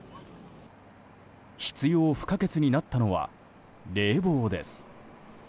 必要不可欠になったのは冷房です。